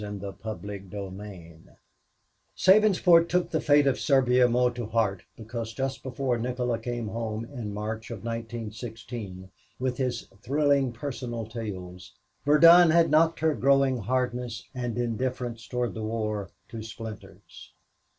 CHAPTER VI Sabinsport took the fate of Serbia more to heart because just before Nikola came home in March of 1916, with his thrilling personal tales, Verdun had knocked her growing hardness and indifference toward the war to splinters.